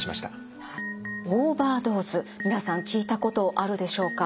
オーバードーズ皆さん聞いたことあるでしょうか？